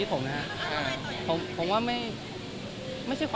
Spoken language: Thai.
ครับครับครับครับครับครับครับครับครับครับครับครับครับครับครับ